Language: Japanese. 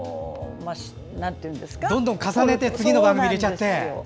どんどん重ねて次の番組を入れちゃってね。